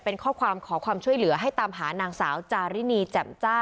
เป็นข้อความขอความช่วยเหลือให้ตามหานางสาวจารินีแจ่มจ้า